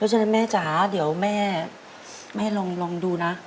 ฉะนั้นแม่จ๋าเดี๋ยวแม่ลองดูนะ